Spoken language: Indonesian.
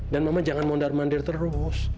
dan mama jangan mondar mandir terus